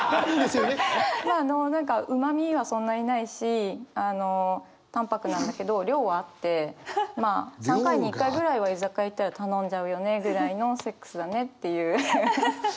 まああの何かうまみはそんなにないし淡泊なんだけど量はあってまあ３回に１回ぐらいは居酒屋行ったら頼んじゃうよねぐらいのセックスだねっていう。